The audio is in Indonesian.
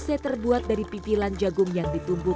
sehingga mereka dapat memiliki makanan yang lebih baik